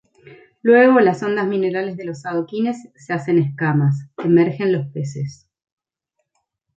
Luego las ondas minerales de los adoquines se hacen escamas: emergen los ""Peces"".